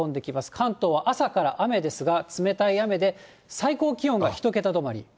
関東は朝から雨ですが、冷たい雨で、最高気温が１桁止まり。